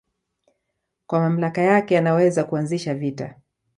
Kwa mamlaka yake anaweza kuanzisha vita